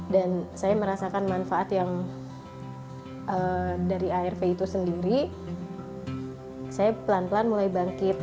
dan saya merasakan manfaat dari arv itu sendiri saya pelan pelan mulai bangkit